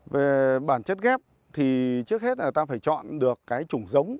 về bản chất ghép thì trước hết là ta phải chọn được cái chủng giống